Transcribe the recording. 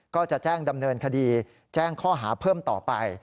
ก็จะแจ้งดำเนินคดีแจ้งข้อหาเพิ่มต่อไป